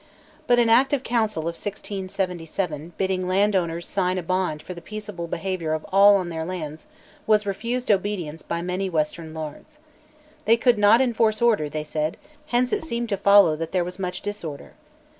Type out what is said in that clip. But an Act of Council of 1677 bidding landowners sign a bond for the peaceable behaviour of all on their lands was refused obedience by many western lairds. They could not enforce order, they said: hence it seemed to follow that there was much disorder.